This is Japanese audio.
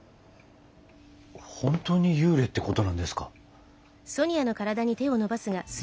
本当に幽霊ってことなんですか？